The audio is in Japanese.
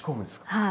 はい。